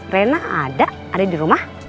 rena ada ada di rumah